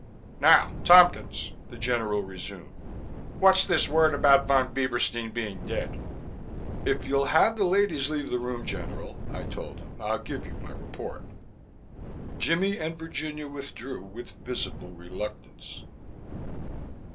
"Now, Tompkins," the General resumed, "what's this word about Von Bieberstein being dead?" "If you'll have the ladies leave the room, General," I told him, "I'll give you my report." Jimmie and Virginia withdrew, with visible reluctance.